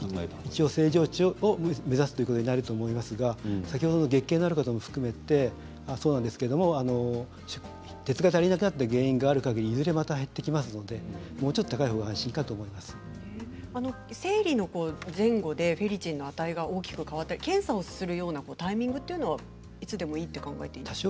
一応、正常値を目指すということになると思いますが月経のある方も含めてそうなんですけれども鉄が足りなくなった原因があるといずれまた減っていきますのでもうちょっと高いほうが生理の前後でフェリチンの値が大きく変わって検査をするタイミングというのはいつでもいいと考えたらいいですか。